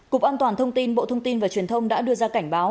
cục an toàn thông tin bộ thông tin và truyền thông đã đưa ra cảnh báo